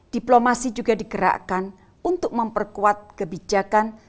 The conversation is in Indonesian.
diplomasi juga digerakkan untuk memperkuat kebijakan